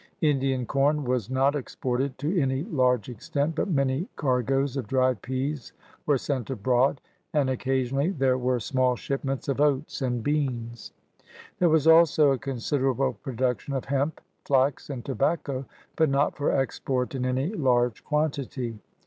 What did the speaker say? Indian com was not exported to any large extent, but many cargoes of dried peas were sent abroad, and occasionally there were small shipments of oats and beans. There was also a considerable production of hemp, flax, and tobacco, but not for export in any large quantity.